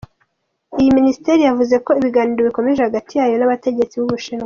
Iyi minisiteri yavuze ko "ibiganiro bikomeje" hagati yayo n'abategetsi b'Ubushinwa.